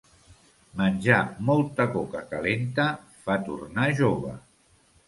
Menjar molta coca calenta fa tornar jove.